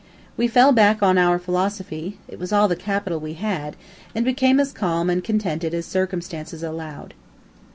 We fell back on our philosophy (it was all the capital we had), and became as calm and contented as circumstances allowed.